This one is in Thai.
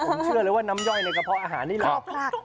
ผมเชื่อเลยว่าน้ำย่อยในกระเพาะอาหารนี่แหละ